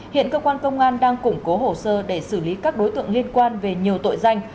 hiện cơ quan công an đang củng cố hồ sơ để xử lý các đối tượng liên quan về nhiều tội danh